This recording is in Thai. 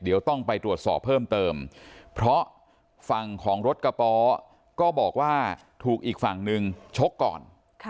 เดี๋ยวต้องไปตรวจสอบเพิ่มเติมเพราะฝั่งของรถกระป๋อก็บอกว่าถูกอีกฝั่งหนึ่งชกก่อน